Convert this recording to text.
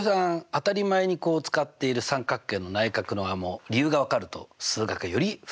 当たり前に使っている三角形の内角の和も理由が分かると数学がより深く楽しくなりますね？